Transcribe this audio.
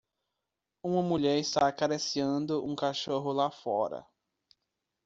Uma mulher está acariciando um cachorro lá fora.